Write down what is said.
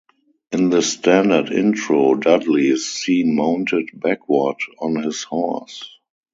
In the standard intro, Dudley is seen mounted backward on his horse.